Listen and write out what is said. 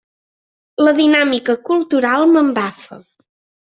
La dinàmica cultural m'embafa.